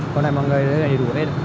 còn mọi người là đủ hết